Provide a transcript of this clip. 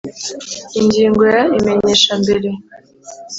Ingingo ya imenyesha mbere